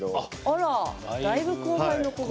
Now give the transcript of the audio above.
あらだいぶ後輩の子が。